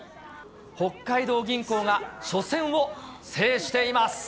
北海道銀行が初戦を制しています。